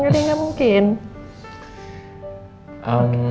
gak ada yang gak mungkin